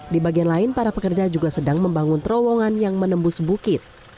di bagian lain para pekerja juga sedang membangun terowongan yang menembus bukit